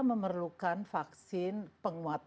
memerlukan vaksin penguat